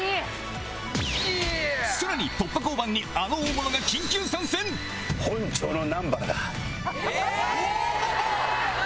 さらに突破交番にあの大物が緊急参戦本庁の南原だ。え！